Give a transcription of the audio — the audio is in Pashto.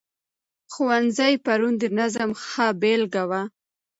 ښوونځي پرون د نظم ښه بېلګه وه.